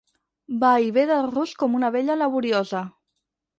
Va i bé del rusc com una abella laboriosa.